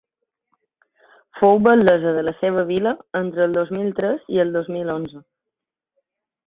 Fou batllessa de la seva vila entre el dos mil tres i el dos mil onze.